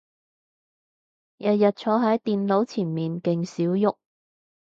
日日坐係電腦前面勁少郁